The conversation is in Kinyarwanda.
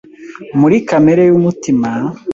muri kamere y’umutima